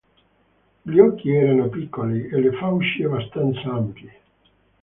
Gli occhi erano piccoli e le fauci abbastanza ampie.